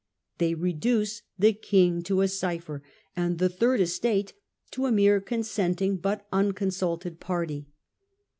They reduce the king to a cipher, and the third estate to a mere consenting but uncon sulted party.